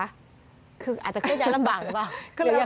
คืออาจจะเครื่องย้ายลำบังหรือเปล่า